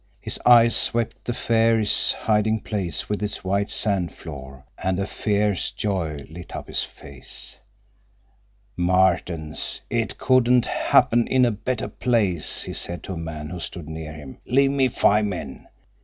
His eyes swept the fairies' hiding place with its white sand floor, and fierce joy lit up his face. "Martens, it couldn't happen in a better place," he said to a man who stood near him. "Leave me five men.